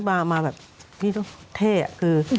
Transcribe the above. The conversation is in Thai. มันมาแบบเท่ห์อะ